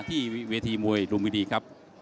ที่เวทีมวยลุมมิดีครับ